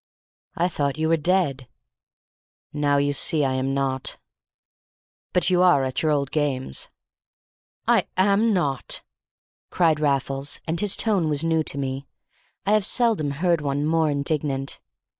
"I thought you were dead." "Now you see I am not." "But you are at your old games!" "I am not," cried Raffles, and his tone was new to me. I have seldom heard one more indignant.